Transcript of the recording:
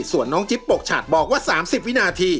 ส่วนน้องจิ๊บปกฉัดบอกว่า๓๐วินาที